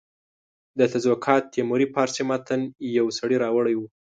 د تزوکات تیموري فارسي متن یو سړي راوړی وو.